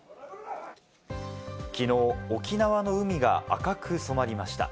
きのう沖縄の海が赤く染まりました。